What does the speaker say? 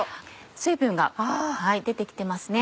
水分が出て来てますね。